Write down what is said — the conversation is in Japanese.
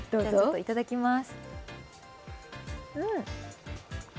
いただきます。